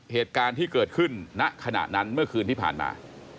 เหตุการณ์ที่เกิดขึ้นณขณะนั้นเมื่อคืนที่ผ่านมา